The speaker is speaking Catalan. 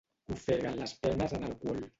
Ofeguen les penes en alcohol.